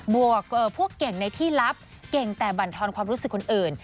พวกเก่งในที่ลับเก่งแต่บรรทอนความรู้สึกคนอื่น